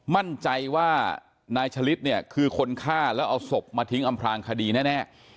มั่นใจว่านายฉลิดเนี่ยคือคนฆ่าแล้วเอาศพมาทิ้งอำพลางคดีแน่